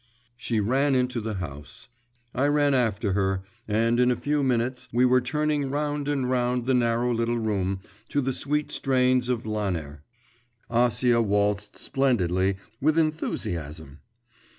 She ran into the house. I ran after her, and in a few minutes, we were turning round and round the narrow little room, to the sweet strains of Lanner. Acia waltzed splendidly, with enthusiasm.